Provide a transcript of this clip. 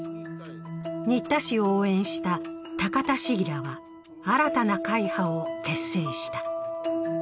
新田氏を応援した高田市議らは新たな会派を結成した。